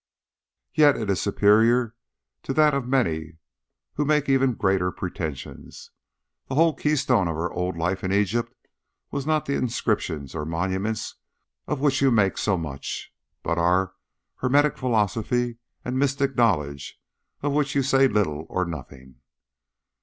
"Yet it is superior to that of many who make even greater pretensions. The whole keystone of our old life in Egypt was not the inscriptions or monuments of which you make so much, but was our hermetic philosophy and mystic knowledge, of which you say little or nothing."